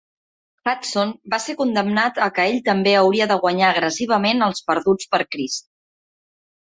Hutson va ser condemnat a que ell també hauria de guanyar agressivament als perduts per Crist.